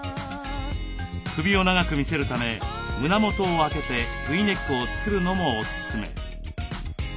首を長く見せるため胸元を開けてＶネックを作るのもおすすめ。